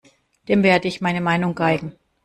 Dem werde ich meine Meinung geigen.